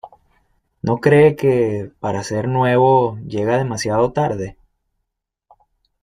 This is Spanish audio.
¿ no cree que, para ser nuevo , llega demasiado tarde?